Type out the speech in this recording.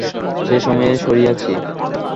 সেই সময়ে সরিয়েছি।